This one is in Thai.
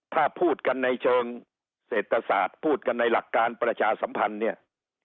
ถ้าพูดกันในเชิงเศรษฐศาสตร์พูดกันในหลักการประชาสัมพันธ์เนี่ย